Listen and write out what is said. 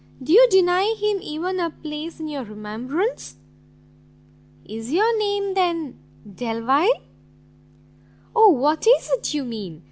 do you deny him even a place in your remembrance?" "Is your name, then, Delvile?" "O what is it you mean?